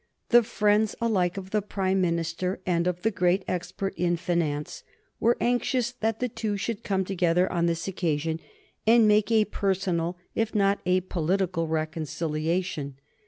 The friends alike of the Prime Minister and of the great expert in finance were anxious that the two should come together on this occasion, and make a personal if not a political reconciliation.